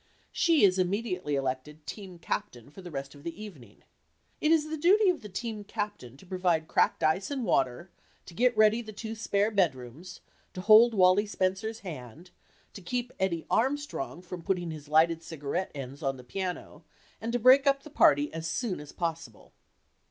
She is immediately elected "team captain" for the rest of the evening. It is the duty of the "team captain" to provide cracked ice and water, to get ready the two spare bedrooms, to hold Wallie Spencer's hand, to keep Eddie Armstrong from putting his lighted cigaret ends on the piano, and to break up the party as soon as possible.